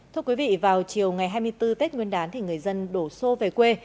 thưa quý vị vào chiều ngày hai mươi bốn tết nguyên đán thì người dân đổ xô về quê